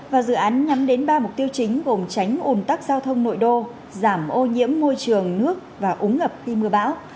và dự án nhắm đến ba mục tiêu chính gồm tránh ủn tắc giao thông nội đô giảm ô nhiễm môi trường nước và ống ngập khi mưa bão